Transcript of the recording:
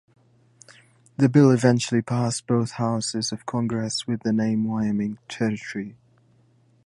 The bill eventually passed both houses of Congress with the name "Wyoming Territory".